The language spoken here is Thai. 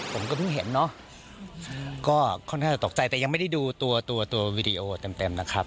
ผมก็เพิ่งเห็นเนอะก็ค่อนข้างจะตกใจแต่ยังไม่ได้ดูตัวตัววีดีโอเต็มนะครับ